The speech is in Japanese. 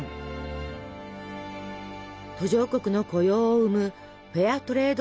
途上国の雇用を生むフェアトレード